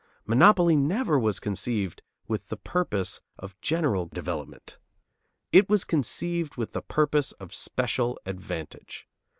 Monopoly never was conceived with the purpose of general development. It was conceived with the purpose of special advantage.